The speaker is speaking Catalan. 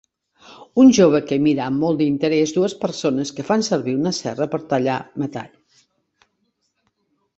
Un jove que mira amb molt d'interès dues persones que fan servir una serra per tallar metall.